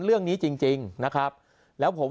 เรื่องนี้จริงจริงนะครับแล้วผม